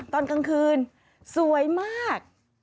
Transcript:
ตอนกลางคืนสวยมาก